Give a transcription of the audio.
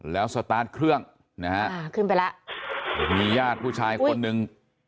แล้วสตาร์ทเครื่องนะฮะอ่าขึ้นไปแล้วมีญาติผู้ชายคนหนึ่ง